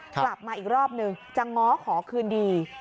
กลับมาอีกรอบนึงจะง้อขอคืนดี